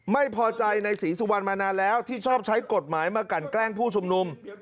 ไม่พอใจในศรีสุวรรณมานานแล้วที่ชอบใช้กฎหมายมากันแกล้งผู้ชุมนุม